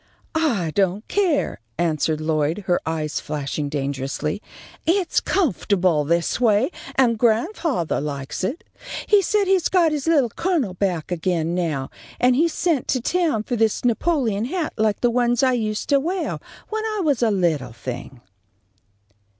"I don't care," answered Lloyd, her eyes flashing dangerously. "It's comfortable this way, and grandfathah likes it. He says he's got his Little Colonel back again now, and he sent to town for this Napoleon hat like the ones I used to weah when I was a little thing."